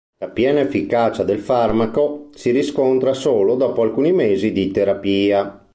La piena efficacia del farmaco si riscontra solo dopo alcuni mesi di terapia.